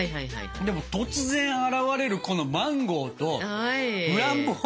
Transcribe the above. でも突然現れるこのマンゴーとフランボワーズの香り。